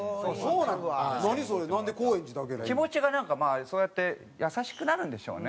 気持ちがなんかまあそうやって優しくなるんでしょうね。